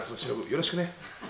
よろしくね。